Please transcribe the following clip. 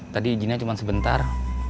tadi izinnya cuma sebentar